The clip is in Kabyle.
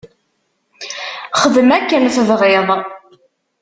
Xdem akken tebɣiḍ.